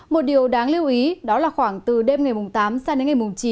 một điều đáng lưu ý đó là khoảng từ đêm ngày tám sang đến ngày mùng chín